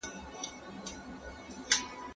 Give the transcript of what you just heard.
که ښوونکی لارښووني تکرار کړي، تېروتنه نه پاته کيږي.